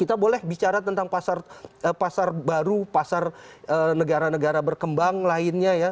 kita boleh bicara tentang pasar baru pasar negara negara berkembang lainnya ya